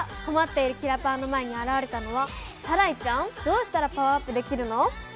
困っているキラパワの前に現れたのはサライちゃん？どうしたらパワーアップできるの？